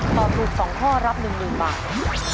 ตอบถูก๒ข้อรับ๑๐๐๐บาท